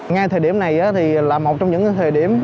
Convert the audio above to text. ngay thời điểm này thì là một trong những thời điểm